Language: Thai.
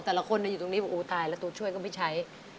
แต่ละคนอยู่ตรงนี้บอกโอ้ตายแล้วตัวช่วยก็ไม่ใช้